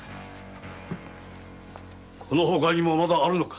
この他にもまだあるのか。